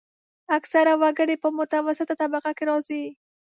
اکثره وګړي په متوسطه طبقه کې راځي.